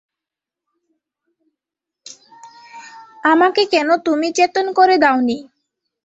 আমাকে কেন তুমি চেতন করে দাও নি।